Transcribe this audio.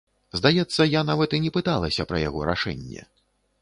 Здаецца, я нават і не пыталася пра яго рашэнне.